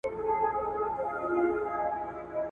ټول وجود یې په لړزه وي او ویریږي ..